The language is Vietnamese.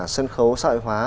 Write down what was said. sân khấu sợi hóa